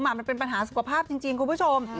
มันเป็นปัญหาสุขภาพจริงคุณผู้ชม